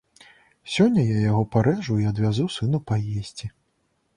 Сёння я яго парэжу і адвязу сыну паесці.